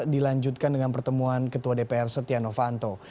dilanjutkan dengan pertemuan ketua dpr setia novanto